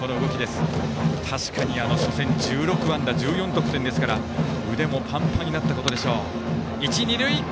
確かに、初戦１６安打１４得点ですから腕もパンパンになったことでしょう。